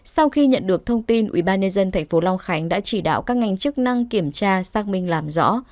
sau khi nhận được thông tin ủy ban nhân dân tp long khánh đã chỉ đạo các ngành chức năng kiểm tra xác minh làm rõ